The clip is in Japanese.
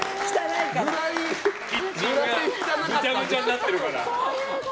キッチンがぐちゃぐちゃになってるから。